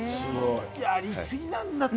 やりすぎだって！